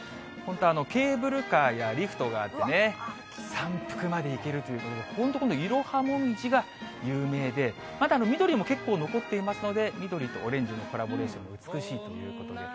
ケーブルカーやリフトがあってね、山腹まで行けるということで、本当、イロハモミジが有名で、まだ緑も結構残っていますので、緑とオレンジのコラボレーションが美しいということで。